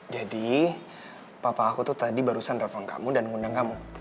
jadi papa aku tuh tadi barusan nelfon kamu dan ngundang kamu